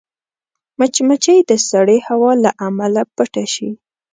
مچمچۍ د سړې هوا له امله پټه شي